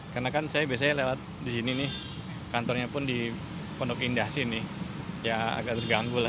karena kan saya biasanya lewat di sini nih kantornya pun di pondok indah sih nih ya agak terganggu lah